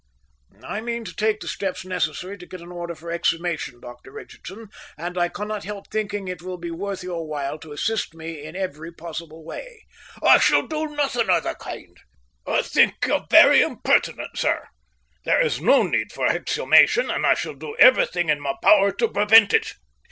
"I mean to take the steps necessary to get an order for exhumation, Dr Richardson, and I cannot help thinking it will be worth your while to assist me in every possible way." "I shall do nothing of the kind. I think you very impertinent, sir. There is no need for exhumation, and I shall do everything in my power to prevent it.